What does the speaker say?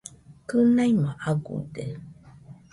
Kɨnaimo aguide